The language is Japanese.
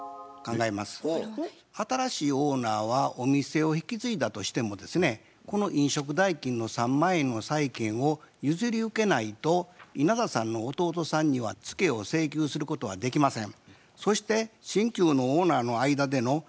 新しいオーナーはお店を引き継いだとしてもですねこの飲食代金の３万円の債権を譲り受けないと稲田さんの弟さんにはツケを請求することはできません。